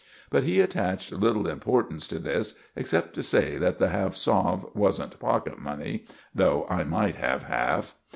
But he attached little importance to this, except to say that the half sov. wasn't pocket money, though I might have half.